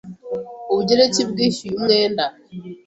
Ubugereki bwishyuye umwenda.